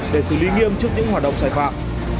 để xử lý nghiêm trước những hoạt động sai phạm